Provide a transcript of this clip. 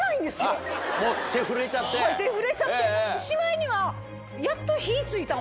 手震えちゃってしまいには。